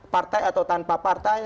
partai atau tanpa partai